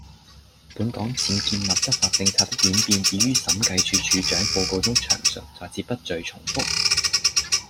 本港僭建物執法政策的演變已於審計署署長報告中詳述，在此不贅重覆。